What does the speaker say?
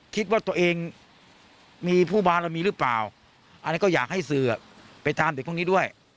คิดว่าตัวเองมีผู้บารมีหรือเปล่าอันนี้ก็อยากให้สื่อไปตามเด็กพวกนี้ด้วย